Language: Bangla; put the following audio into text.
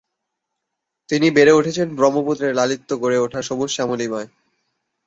তিনি বেড়ে উঠেছেন ব্রহ্মপুত্রের লালিত্যে গড়ে ওঠা সবুজ শ্যামলিমায়।